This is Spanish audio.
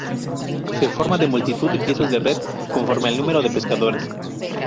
Se forma de multitud de piezas de red conforme el número de pescadores.